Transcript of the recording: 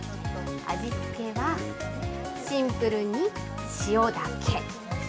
味付けはシンプルに塩だけ。